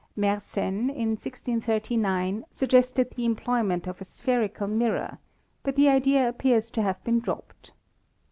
Mersenne, in 1639, suggested the employ ment of a spherical mirror, but the idea appears to have been dropped.